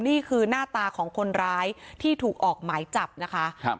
นี่คือหน้าตาของคนร้ายที่ถูกออกหมายจับนะคะครับ